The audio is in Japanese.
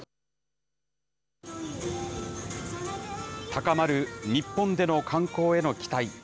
高まる日本での観光への期待。